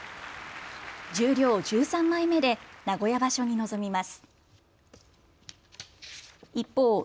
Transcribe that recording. １３枚目で名古屋場所に臨みます。